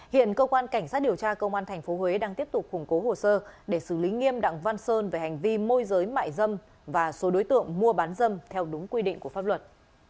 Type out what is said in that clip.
hiện cơ quan cảnh sát điều tra công an tp huế đang tiếp tục khủng cố hồ sơ để xử lý nghiêm đặng văn sơn về hành vi môi giới mại dâm và số đối tượng mua bán dâm theo đúng quy định của pháp luật